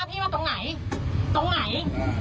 พี่ก็ต่างพี่ก็ต่าง